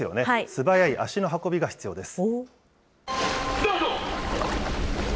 素早い足の運びが必要です。